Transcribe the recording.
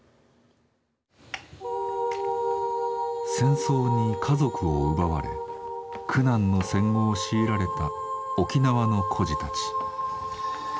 戦争に家族を奪われ苦難の戦後を強いられた沖縄の孤児たち。